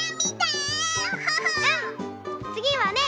つぎはね